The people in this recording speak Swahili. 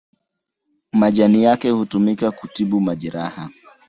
Majani yake hutumika kutibu majeraha.